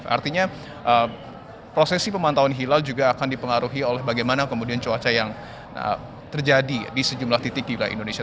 artinya prosesi pemantauan hilal juga akan dipengaruhi oleh bagaimana kemudian cuaca yang terjadi di sejumlah titik di wilayah indonesia